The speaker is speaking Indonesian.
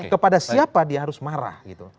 kepada siapa dia harus marah